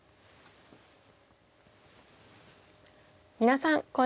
皆さんこんにちは。